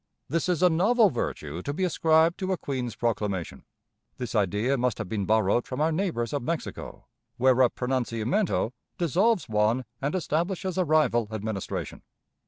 This is a novel virtue to be ascribed to a Queen's proclamation. This idea must have been borrowed from our neighbors of Mexico, where a pronunciamiento dissolves one and establishes a rival administration.